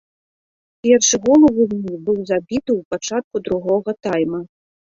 Першы гол у гульні быў забіты ў пачатку другога тайма.